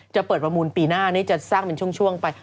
จะเปิดประมูลปีหน้านี้จะสร้างเป็นช่วงไป